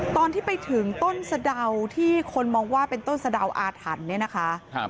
ตอนที่ไปถึงต้นสะดาวที่คนมองว่าเป็นต้นสะดาวอาถรรพ์เนี่ยนะคะ